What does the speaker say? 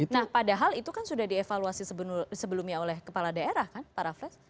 nah padahal itu kan sudah dievaluasi sebelumnya oleh kepala daerah kan pak raffles